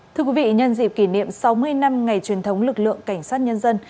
thưa quý vị nhân dịp kỷ niệm sáu mươi năm ngày truyền thống lực lượng cảnh sát nhân dân